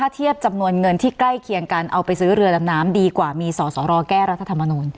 เทียบจำนวนเงินที่ใกล้เคียงกันเอาไปซื้อเรือดำน้ำดีกว่ามีส่อรอแก้รัฐธรรมนูล